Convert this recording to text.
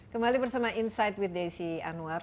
kembali bersama insight with desi anwar